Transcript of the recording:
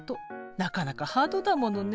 なかなかハードだものね。